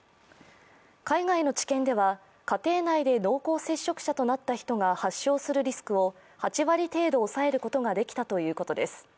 海外の治験では家庭内で濃厚接触者となった人が発症するリスクを８割程度抑えることができたということです。